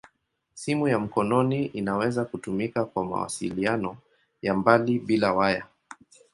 Simu ya mkononi inaweza kutumika kwa mawasiliano ya mbali bila waya.